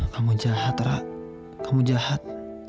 kamu jahat rak kamu jahat